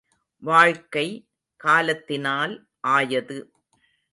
வாழ்க்கை காலத்தினால் ஆயது.